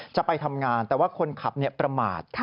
จะไปทำงานแต่ว่าคนขับประมาท